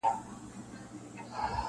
ستا د وصل تر منزله غرغړې دي او که دار دی,